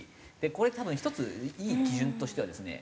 これ多分１ついい基準としてはですね